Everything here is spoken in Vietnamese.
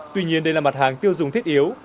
tuy nhiên đây là mặt hàng tiêu dùng thiết yếu